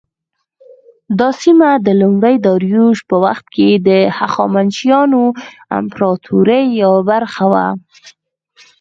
دا سیمه د لومړي داریوش په وخت کې د هخامنشیانو امپراطورۍ یوه برخه وه.